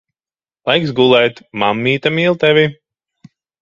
Laiks gulēt. Mammīte mīl tevi.